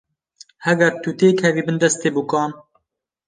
Heger tu têkevî bin destê bûkan.